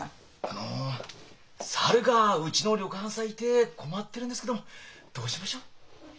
あの猿がうちの旅館さいで困ってるんですけどどうしましょう？